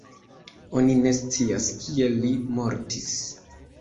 Oni ne scias kiel li mortis.